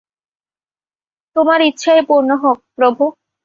তোমার ইচ্ছাই পূর্ণ হোক, প্রভু।